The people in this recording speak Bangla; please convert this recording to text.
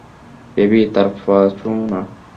বেবি, তার পা ছোও না।